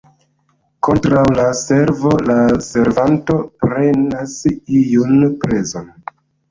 Kontraŭ la servo la servanto prenas iun prezon.